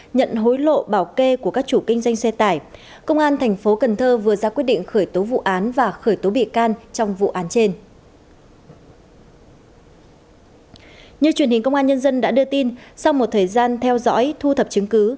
như truyền hình công an nhân dân đã đưa tin sau một thời gian theo dõi thu thập chứng cứ